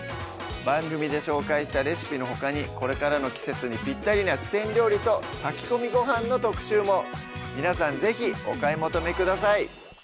番組で紹介したレシピのほかにこれからの季節にぴったりな四川料理と炊き込みごはんの特集も皆さん是非お買い求めください